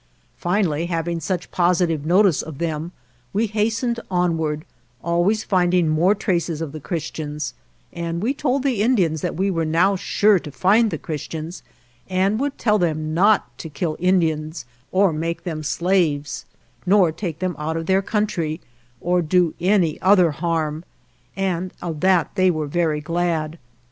Finally, having such positive notice of them, we has tened onward, always finding more traces of the Christians, and we told the Indians that we were now sure to find the Christians, and would tell them not to kill Indians or make them slaves, nor take them out of 162 ALVAR NUNEZ CABEZA DE VACA their country, or do any other harm, and of that they were very glad.